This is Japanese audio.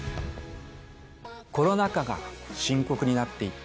コロナ禍が深刻になっていった